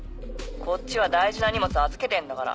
こっちは大事な荷物預けてんだから。